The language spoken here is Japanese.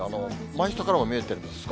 マイスタからも見えてるんです。